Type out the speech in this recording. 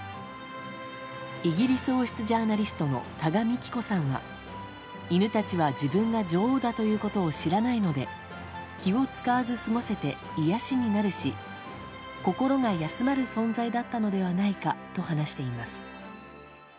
イギリス王室ジャーナリストの多賀幹子さんは犬たちは自分が女王だということを知らないので気を遣わず過ごせて癒やしになるし心が休まる存在だったのではないかと話しています。